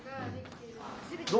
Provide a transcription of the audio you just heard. どう？